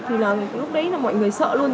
thì lúc đấy mọi người sợ luôn